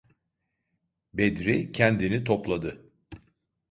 Bedri kendini topladı.